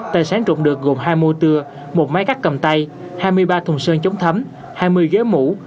tài sản trộm được gồm hai motor một máy cắt cầm tay hai mươi ba thùng sơn chống thấm hai mươi ghế mũ